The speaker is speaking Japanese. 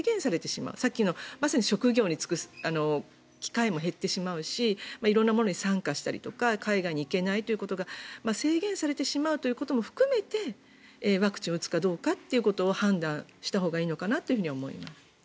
まさにさっきの職業に就く機会も減ってしまうし色んなものに参加したりとか海外に行けないということが制限されてしまうということも含めてワクチンを打つかどうかを判断したほうがいいのかなと思います。